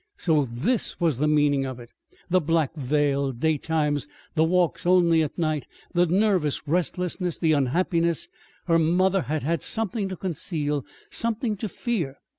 So this was the meaning of it the black veil daytimes, the walks only at night, the nervous restlessness, the unhappiness. Her mother had had something to conceal, something to fear.